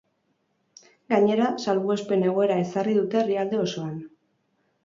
Gainera, salbuespen-egoera ezarri dute herrialde osoan.